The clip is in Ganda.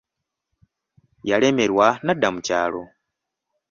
Yalemererwa n'adda mu kyalo.